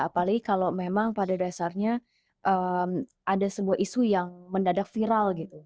apalagi kalau memang pada dasarnya ada sebuah isu yang mendadak viral gitu